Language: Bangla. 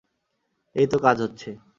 এই তো কাজ হচ্ছে।